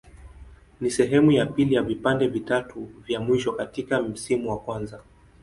Ni sehemu ya pili ya vipande vitatu vya mwisho katika msimu wa kwanza.